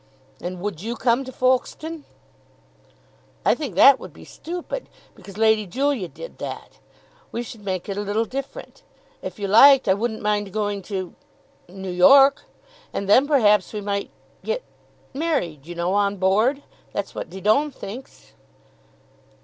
"And would you come to Folkestone?" "I think that would be stupid, because Lady Julia did that. We should make it a little different. If you liked I wouldn't mind going to New York. And then, perhaps, we might get married, you know, on board. That's what Didon thinks."